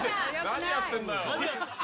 何やってんだよ